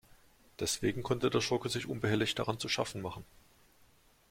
Deswegen konnte der Schurke sich unbehelligt daran zu schaffen machen.